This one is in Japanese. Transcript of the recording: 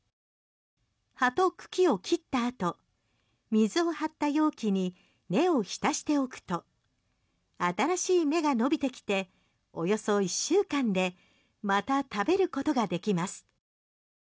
葉と茎を切ったあと水を張った容器に浸しておくと新しい芽が伸びてきておよそ１週間でまた食べることができます。